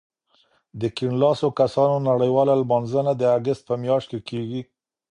د کیڼ لاسو کسانو نړیواله لمانځنه د اګست په میاشت کې کېږي.